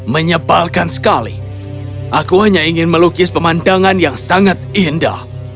menyepalkan sekali aku hanya ingin melukis pemandangan yang sangat indah